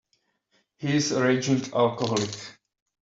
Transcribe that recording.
He is a raging alcoholic.